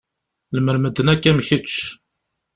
Lemmer medden akk am kečč.